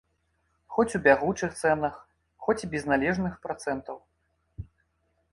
Хоць у бягучых цэнах, хоць і без належных працэнтаў.